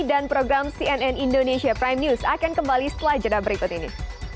dan program cnn indonesia prime news akan kembali setelah jadwal berikut ini